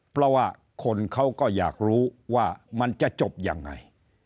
เพราะว่าคนเขาก็อยากรู้ว่ามันจะจบยังไง